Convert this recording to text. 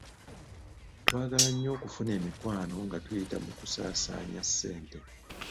Twagala nnyo okufuna emikwano nga tuyita mu kusaasaanya ssente.